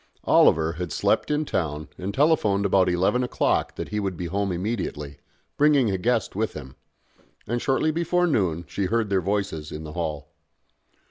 Oliver had slept in town and telephoned about eleven o'clock that he would be home immediately, bringing a guest with him: and shortly before noon she heard their voices in the hall.